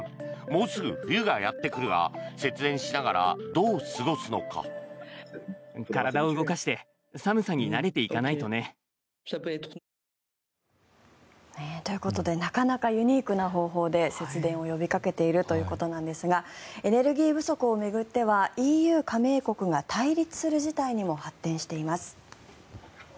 もうすぐ冬がやってくるが節電しながらどう過ごすのか。ということでなかなかユニークな方法で節電を呼びかけているということなんですがエネルギー不足を巡ってはＥＵ加盟国が対立する事態にも発展しています。